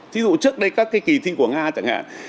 thí dụ trước đây các cái kỳ thi của nga chẳng hạn